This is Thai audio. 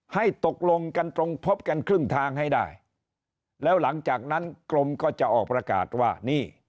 ให้ตกลงกันตรงพบกันครึ่งทางให้ได้แล้วหลังจากนั้นกรมก็จะออกประกาศว่านี่